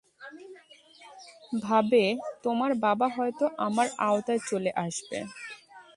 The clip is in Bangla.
ভাবে, তোমার বাবা হয়তো আমার আওতায় চলে আসবে।